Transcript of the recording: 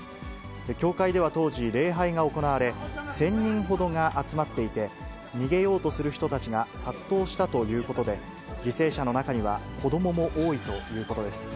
教会では当時、礼拝が行われ、１０００人ほどが集まっていて、逃げようとする人たちが殺到したということで、犠牲者の中には子どもも多いということです。